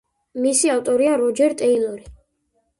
მისი ავტორია როჯერ ტეილორი.